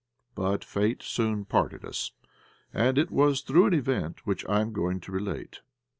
But Fate soon parted us, and it was through an event which I am going to relate.